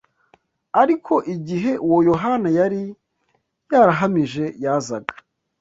Ariko igihe Uwo Yohana yari yarahamije yazaga